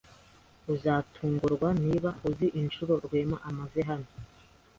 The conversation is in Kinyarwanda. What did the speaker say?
Uzatungurwa niba uzi inshuro Rwema amaze hano.